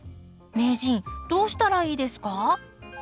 名人どうしたらいいですか？